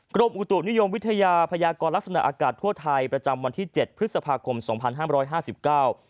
กรมอุตุนิยมวิทยาพยากรลักษณะอากาศทั่วไทยประจำวันที่เจ็ดพฤษภาคมสองพันห้ามร้อยห้าสิบเก้า